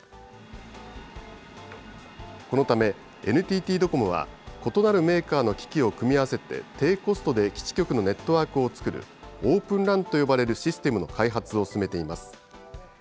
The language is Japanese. このため、ＮＴＴドコモは、異なるメーカーの機器を組み合わせて低コストで基地局のネットワークを作る、オープンＲＡＮと呼ばれるシステムの開発を進めています。